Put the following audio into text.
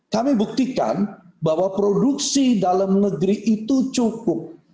kami buktikan bahwa produksi dalam negeri itu cukup